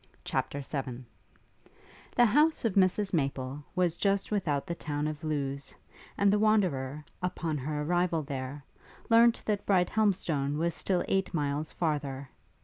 CHAPTER VII The house of Mrs Maple was just without the town of Lewes, and the Wanderer, upon her arrival there, learnt that Brighthelmstone was still eight miles farther.